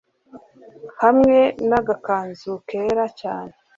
hamwe nagakanzu kera cyane